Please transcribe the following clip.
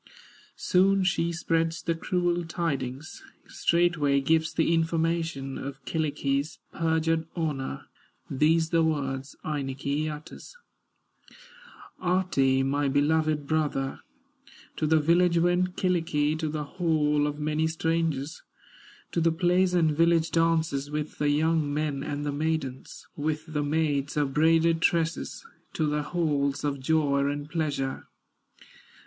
Soon she spreads the cruel tidings, Straightway gives the information, Of Kyllikki's perjured honor, These the words Ainikki utters: "Ahti, my beloved brother, To the village went Kyllikki, To the hall of many strangers, To the plays and village dances, With the young men and the maidens, With the maids of braided tresses, To the halls of joy and pleasure."